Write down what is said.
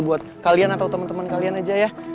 buat kalian atau temen temen kalian aja ya